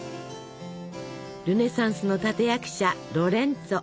ルネサンスの立役者ロレンツォ。